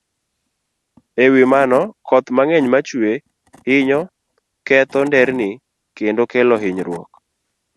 E wi mano, koth mang'eny ma chue, hinyo ketho nderni kendo kelo hinyruok.